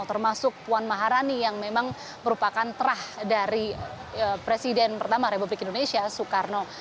termasuk puan maharani yang memang merupakan terah dari presiden pertama republik indonesia soekarno